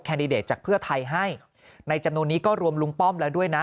ดิเดตจากเพื่อไทยให้ในจำนวนนี้ก็รวมลุงป้อมแล้วด้วยนะ